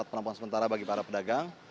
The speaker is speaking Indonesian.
penampungan sementara bagi para pedagang